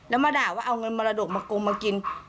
แล้วมาด่าว่าเอาเงินมรดกมากงมากิน